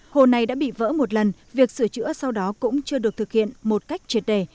hồ này đã bị vỡ một lần việc sửa chữa sau đó cũng chưa được thực hiện một cách triệt đề